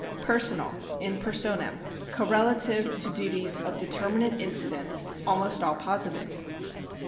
Personal — in personam — correlative to duties of deter minate incidence (almost all positive).